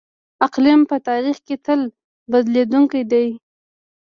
اقلیم په تاریخ کې تل بدلیدونکی دی.